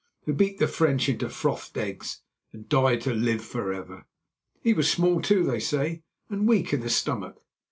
—who beat the French into frothed eggs and died to live for ever. He was small, too, they say, and weak in the stomach."